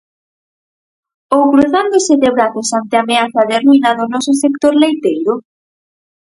¿Ou cruzándose de brazos ante a ameaza de ruína do noso sector leiteiro?